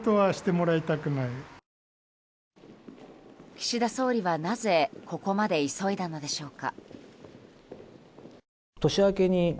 岸田総理はなぜここまで急いだのでしょうか。